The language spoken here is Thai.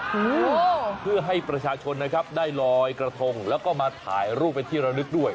แค่เหอยดิเจ้าบงกลางคือให้ประชาชนนะครับได้ลอยกระทงและก็มาถ่ายรูปเป็นที่เรานึกด้วย